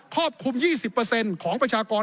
รอบคลุม๒๐ของประชากร